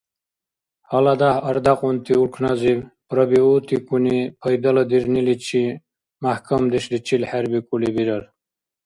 ГьаладяхӀ ардякьунти улкназиб пробиотикуни пайдаладирниличи мяхӀкамдешличил хӀербикӀули бирар.